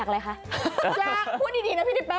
มีค่าเต้นแบบนี้มีหาคู่เต้นอยู่ป่ะคะ